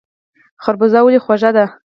خربوزه ولې خوږه ده؟